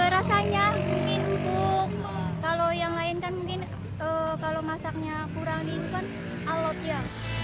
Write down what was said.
rasanya mungkin empuk kalau yang lain kan mungkin kalau masaknya kurang ini kan alot ya